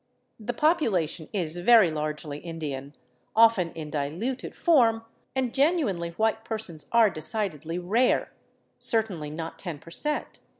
The population is very largely Indian — often in diluted form — and gen uinely white persons are decidedly rare, certainly not ten percent.